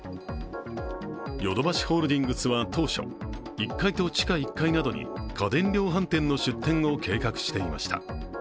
ヨドバシホールディングスは当初、１階と地下１階などに家電量販店の出店を計画していました。